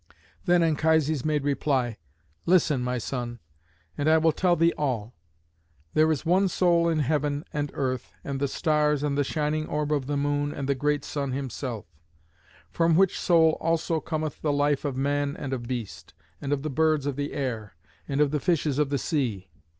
Then Anchises made reply: "Listen, my son, and I will tell thee all. There is one soul in heaven and earth and the stars and the shining orb of the moon and the great sun himself; from which soul also cometh the life of man and of beast, and of the birds of the air, and of the fishes of the sea.